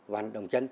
vận động chân